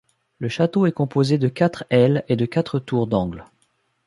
Le château est composé de quatre ailes et de quatre tours d'angle.